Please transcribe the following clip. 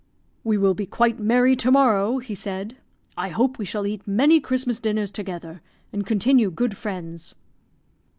"We will be quite merry to morrow," he said. "I hope we shall eat many Christmas dinners together, and continue good friends."